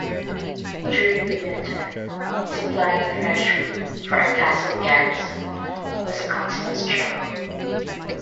During the winter, supplying fresh food for a castle garrison was a constant struggle.